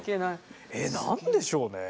えっ何でしょうね。